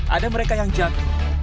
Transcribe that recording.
ada mereka yang jatuh